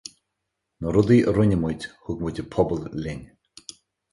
Na rudaí a rinne muid, thug muid an pobal linn.